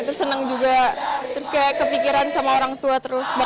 terus senang juga terus kayak kepikiran sama orang tua terus